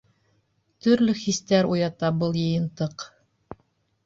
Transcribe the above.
Төрлө хистәр уята был йыйынтыҡ.